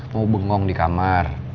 mau bengong di kamar